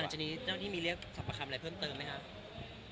หลังจากนี้เจ้าที่มีเรียกคำหรืออะไรเพิ่มเติมนที่นี่คะ